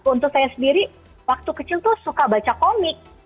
untuk saya sendiri waktu kecil tuh suka baca komik